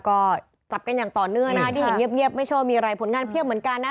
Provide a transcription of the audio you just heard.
ก็จับกันอย่างต่อเนื่องนะที่เห็นเงียบไม่ชอบมีอะไรผลงานเพียบเหมือนกันนะ